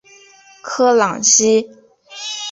科朗西。